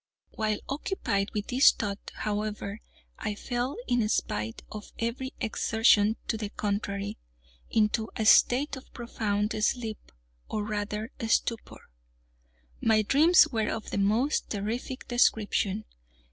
While occupied with this thought, however, I fell in spite of every exertion to the contrary, into a state of profound sleep, or rather stupor. My dreams were of the most terrific description.